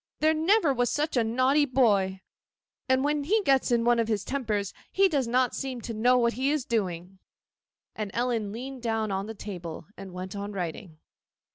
There never was such a naughty boy! When he gets one of his tempers he does not seem to know what he is doing.' And Ellen leaned down on the table, and went on writing.